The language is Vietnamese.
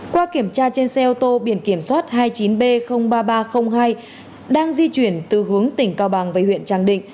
qua kiểm tra trên xe ô tô biển kiểm soát hai mươi chín b ba nghìn ba trăm linh hai đang di chuyển từ hướng tỉnh cao bằng về huyện tràng định